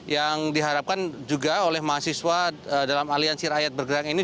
yang diharapkan juga oleh mahasiswa dalam aliansi rakyat bergerak ini